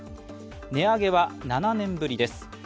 値上げは７年ぶりです。